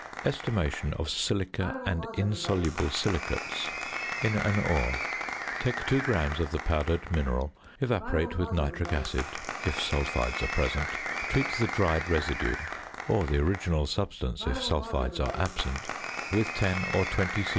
~Estimation of "Silica and Insoluble Silicates" in an Ore.~ Take 2 grams of the powdered mineral, evaporate with nitric acid (if sulphides are present), treat the dried residue (or the original substance if sulphides are absent) with 10 or 20 c.c.